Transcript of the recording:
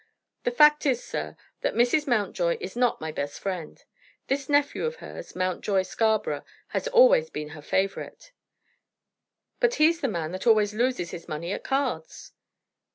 "The fact is, sir, that Mrs. Mountjoy is not my best friend. This nephew of hers, Mountjoy Scarborough, has always been her favorite." "But he's a man that always loses his money at cards."